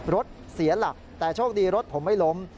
รถเสียหลักแต่โชคดีรถผมไม่ล้ม